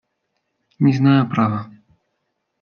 Не знаю, право.